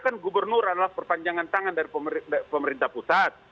kan gubernur adalah perpanjangan tangan dari pemerintah pusat